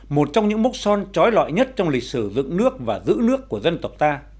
một trong những mốc son trói lọi nhất trong lịch sử dựng nước và giữ nước của dân tộc ta